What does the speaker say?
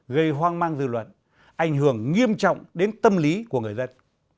gây hoang mang dư luận ảnh hưởng nghiêm trọng đến tâm lý của người dân